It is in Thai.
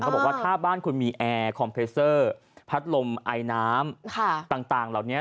บอกว่าถ้าบ้านคุณมีแอร์คอมเพสเซอร์พัดลมไอน้ำต่างเหล่านี้